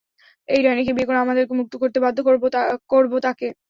এই ডাইনিকে বিয়ে করে আমাদেরকে মুক্ত করতে বাধ্য করব তাকে।